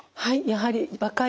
はい。